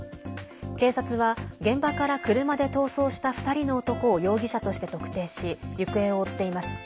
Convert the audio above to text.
警察は現場から車で逃走した２人の男を容疑者として特定し行方を追っています。